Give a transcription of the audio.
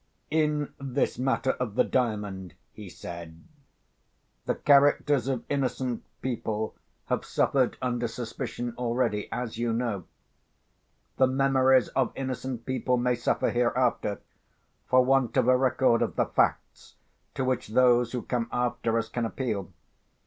"In this matter of the Diamond," he said, "the characters of innocent people have suffered under suspicion already—as you know. The memories of innocent people may suffer, hereafter, for want of a record of the facts to which those who come after us can appeal.